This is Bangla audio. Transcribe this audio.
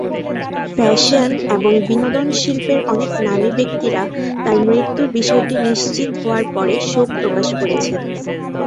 ফ্যাশন এবং বিনোদন শিল্পের অনেক নামী ব্যক্তিরা তার মৃত্যুর বিষয়টি নিশ্চিত হওয়ার পরে শোক প্রকাশ করেছেন।